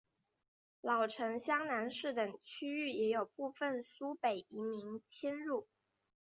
老城厢南市等区域也有部分苏北移民迁入。